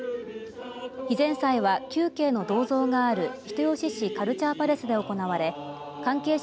碑前祭は球渓の銅像がある人吉市カルチャーパレスで行われ関係者